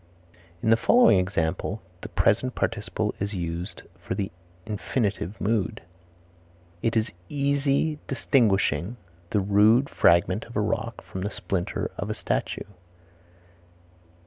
In the following example the present participle is used for the infinitive mood: "It is easy distinguishing the rude fragment of a rock from the splinter of a statue."